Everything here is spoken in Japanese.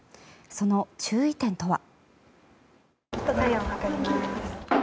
その注意点とは。